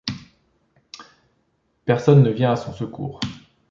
Personne ne vient à son secours !